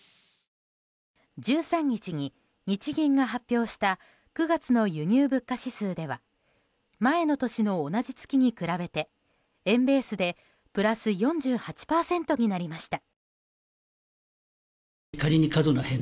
１３日に日銀が発表した９月の輸入物価指数では前の年の同じ月に比べて円ベースでプラス４８％になりました。